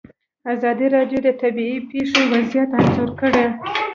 ازادي راډیو د طبیعي پېښې وضعیت انځور کړی.